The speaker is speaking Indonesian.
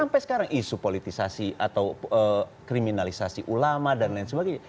sampai sekarang isu politisasi atau kriminalisasi ulama dan lain sebagainya